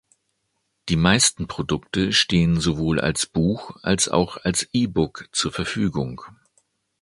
Die meisten Produkte stehen sowohl als Buch, als auch als E-Book zur Verfügung.